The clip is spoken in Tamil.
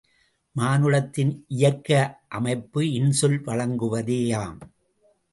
மானுடத்தின் இயற்கையமைப்பு இன்சொல் வழங்குவதேயாம்.